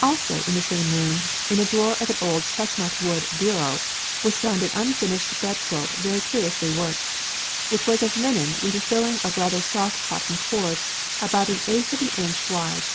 Also, in the same room, in a drawer of an old chestnut wood bureau, was found an unfinished bed quilt very curiously worked. It was of linen with a filling of rather soft cotton cord about an eighth of an inch wide.